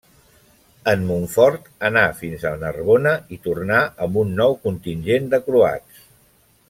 En Montfort anà fins a Narbona i tornà amb un nou contingent de croats.